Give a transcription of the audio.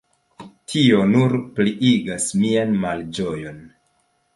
Tio nur pliigas mian malĝojon.